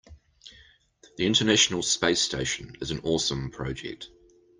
The international space station is an awesome project.